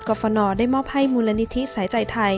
ฟนได้มอบให้มูลนิธิสายใจไทย